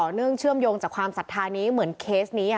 เรื่องเชื่อมโยงจากความศรัทธานี้เหมือนเคสนี้